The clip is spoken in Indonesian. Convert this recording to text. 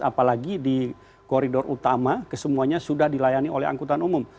apalagi di koridor utama kesemuanya sudah dilayani oleh angkutan umum